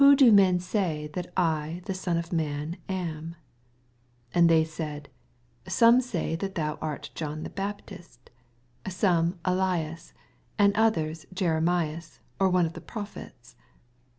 do men say that I the Son of man am ? 14 And they said, Some twy ihat thou art John the Baptist: some, Elias ; and others, Jerenuas, or one of the prophets.